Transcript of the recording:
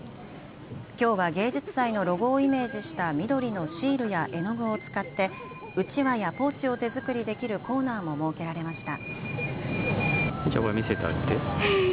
きょうは芸術祭のロゴをイメージした緑のシールや絵の具を使ってうちわやポーチを手作りできるコーナーも設けられました。